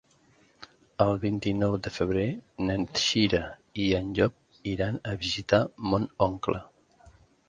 El vint-i-nou de febrer na Cira i en Llop iran a visitar mon oncle.